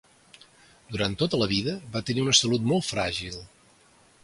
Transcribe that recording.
Durant tota la vida va tenir una salut molt fràgil.